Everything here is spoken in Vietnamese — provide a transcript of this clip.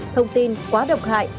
thông tin quá độc hại